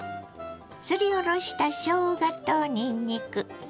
すりおろしたしょうがとにんにく。